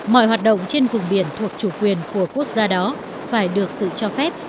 mọi hoạt động trên vùng biển thuộc chủ quyền của quốc gia đó phải được sự cho phép